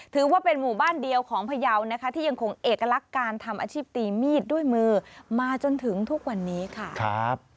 ถือว่าเป็นหมู่บ้านเดียวของพยาวนะคะ